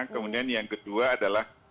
kemudian yang kedua adalah